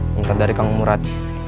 minta dari kang murad